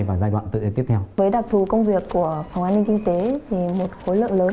với đặc thù công việc của phòng an ninh kinh tế thì một khối lượng lớn